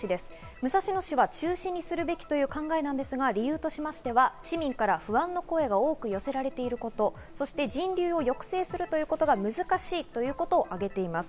武蔵野市は中止にすべきという考えですが、理由として、市民から不安の声が多く寄せられていること、そして人流を抑制することが難しいということを挙げています。